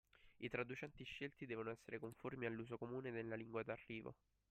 I traducenti scelti devono essere conformi all’uso comune nella lingua d’arrivo.